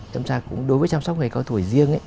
thậm chí cũng đối với chăm sóc người cao tuổi riêng